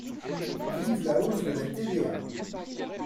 Vive la hausse de la TVA